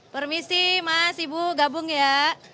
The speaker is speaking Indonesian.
permisi mas ibu gabung ya